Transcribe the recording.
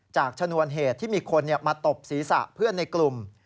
ชนวนเหตุที่มีคนมาตบศีรษะเพื่อนในกลุ่ม